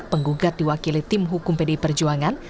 penggugat diwakili tim hukum pdi perjuangan